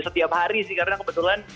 setiap hari sih karena kebetulan